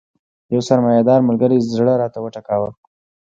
یو سرمایه دار ملګري زړه راته وټکاوه.